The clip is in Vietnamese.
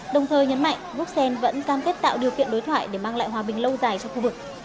đồng thời nhấn mạnh bruxelles vẫn cam kết tạo điều kiện đối thoại để mang lại hòa bình lâu dài cho khu vực